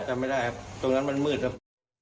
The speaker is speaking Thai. จำไม่ได้ครับตรงนั้นมันมืดครับ